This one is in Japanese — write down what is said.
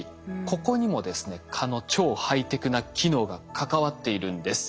ここにもですね蚊の超ハイテクな機能が関わっているんです。